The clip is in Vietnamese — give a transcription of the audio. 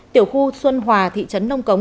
tiểu khu xuân hòa thị trấn nông cống